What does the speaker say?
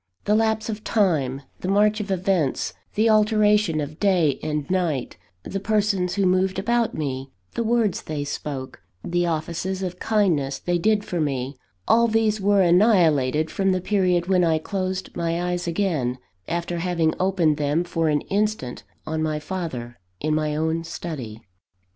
The lapse of time, the march of events, the alternation of day and night, the persons who moved about me, the words they spoke, the offices of kindness they did for me all these were annihilated from the period when I closed my eyes again, after having opened them for an instant on my father, in my own study.